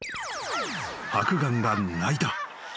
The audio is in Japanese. ［ハクガンが鳴いた］